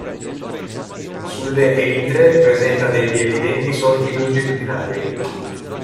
Sulle elitre presenta degli evidenti solchi longitudinali.